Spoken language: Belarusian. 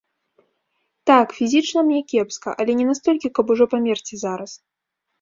Так, фізічна мне кепска, але не настолькі, каб ужо памерці зараз.